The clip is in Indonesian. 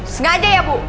sengaja ya bu